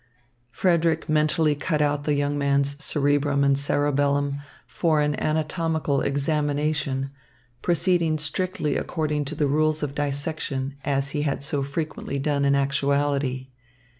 Frederick mentally cut out the young man's cerebrum and cerebellum for an anatomical examination, proceeding strictly according to the rules of dissection, as he had so frequently done in actuality.